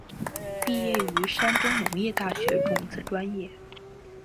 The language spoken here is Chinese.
毕业于山东农业大学种子专业。